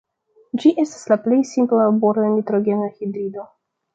Ĝi estas la plej simpla bor-nitrogen-hidrido.